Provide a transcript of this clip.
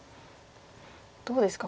どうですか